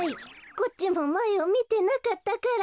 こっちもまえをみてなかったから。